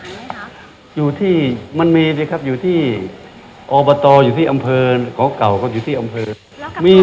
บ๊วยบ๊วยอยู่ที่มันมีเลยครับอยู่ที่ออบทอยู่ที่อำเภิร์นของเก่าก็อยู่ที่อำเภิร์นมีหมด